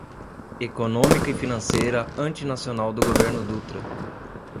econômica e financeira antinacional do governo Dutra